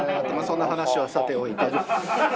今そんな話はさておいて。